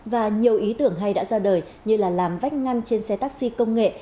và nhiều ý tưởng hay đã ra đời như là làm vách ngăn trên xe taxi công nghệ